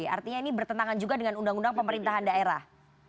artinya ini bertentangan juga dengan undang undang pemerintahan daerah